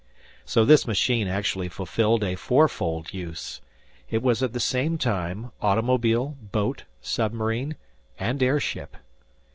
So this machine actually fulfilled a four fold use! It was at the same time automobile, boat, submarine, and airship.